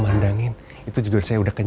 bunawang sebentar lagi datang